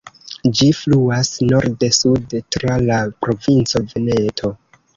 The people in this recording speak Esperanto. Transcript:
Ĝi fluas norde-sude tra la provinco Veneto.